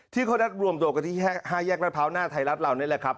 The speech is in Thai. ที่เขานัดรวมตัวกันที่๕แยกรัฐพร้าวหน้าไทยรัฐเรานี่แหละครับ